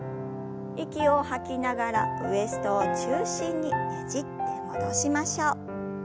息を吐きながらウエストを中心にねじって戻しましょう。